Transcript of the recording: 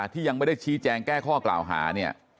ที่ยังไม่ได้ชี้แจงแก้ข้อกล่าวหาเนี่ย